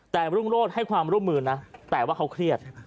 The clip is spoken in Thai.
แต่รุ่งโรธให้ความร่วมมือนะแต่ว่าเขาเครียด